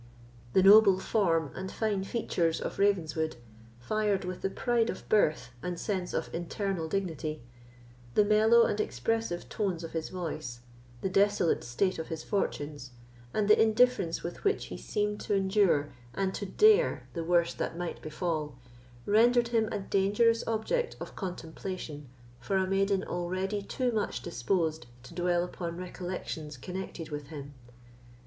The noble form and fine features of Ravenswood, fired with the pride of birth and sense of internal dignity, the mellow and expressive tones of his voice, the desolate state of his fortunes, and the indifference with which he seemed to endure and to dare the worst that might befall, rendered him a dangerous object of contemplation for a maiden already too much disposed to dwell upon recollections connected with him.